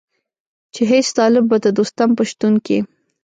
چې هېڅ طالب به د دوستم په شتون کې.